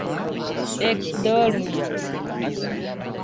ekdormi